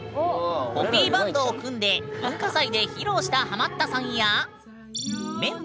コピーバンドを組んで文化祭で披露したハマったさんや。